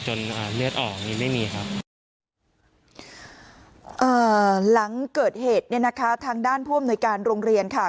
หลังเกิดเหตุเนี่ยนะคะทางด้านพ่อมหน่วยการโรงเรียนค่ะ